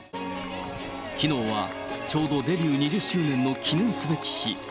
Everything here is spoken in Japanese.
きのうはちょうどデビュー２０周年の記念すべき日。